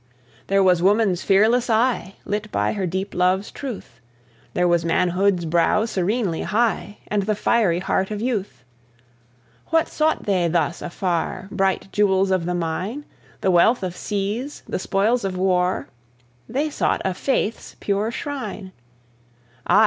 There was woman's fearless eye, Lit by her deep love's truth; There was manhood's brow serenely high, And the fiery heart of youth. What sought they thus afar? Bright jewels of the mine? The wealth of seas, the spoils of war? They sought a faith's pure shrine! Ay!